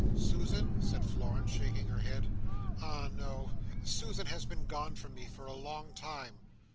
"Susan?" said Florence, shaking her head. "Ah no! Susan has been gone from me a long time."